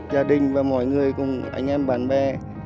gia đình và mọi người cùng anh em bạn bè